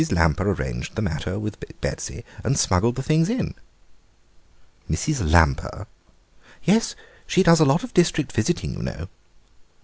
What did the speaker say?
Lamper arranged the matter with Betsy and smuggled the things in." "Mrs. Lamper?" "Yes; she does a lot of district visiting, you know."